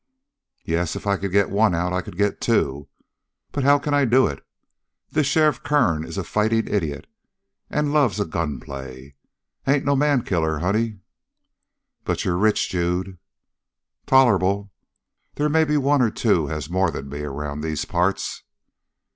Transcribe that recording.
"Yes; if I could get one out, I could get two. But how can I do it? This Sheriff Kern is a fighting idiot, and loves a gunplay. I ain't no man killer, honey." "But you're rich, Jude." "Tolerable. They may be one or two has more than me, around these parts."